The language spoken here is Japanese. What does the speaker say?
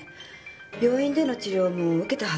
病院での治療も受けたはずよ。